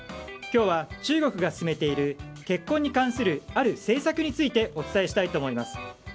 今日は、中国が進めている結婚に関するある政策についてお伝えしたいと思います。